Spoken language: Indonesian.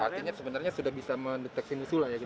artinya sebenarnya sudah bisa mendeteksi musuh lah ya gitu